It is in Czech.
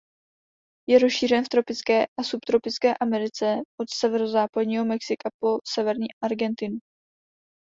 Je rozšířen v tropické a subtropické Americe od severozápadního Mexika po severní Argentinu.